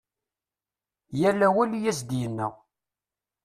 Yal awal i as-d-yenna.